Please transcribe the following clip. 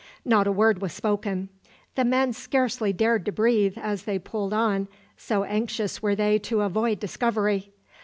Not a word was spoken. The men scarcely dared to breathe as they pulled on, so anxious were they to avoid discovery.